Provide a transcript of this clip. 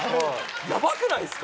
ヤバくないっすか？